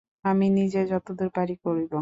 আমি নিজে যতদূর পারি করিব।